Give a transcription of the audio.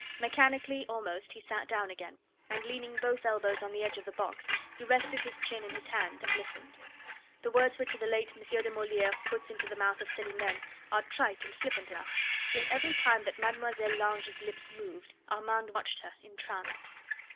Mechanically almost he sat down again, and leaning both elbows on the edge of the box, he rested his chin in his hand, and listened. The words which the late M. de Moliere puts into the mouth of Celimene are trite and flippant enough, yet every time that Mlle. Lange's lips moved Armand watched her, entranced.